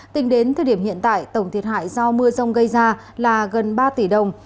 tính đến thời điểm hiện tại tổng thiệt hại do mưa rông gây ra là gần ba tỷ đồng